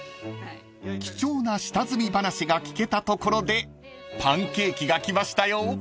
［貴重な下積み話が聞けたところでパンケーキが来ましたよ］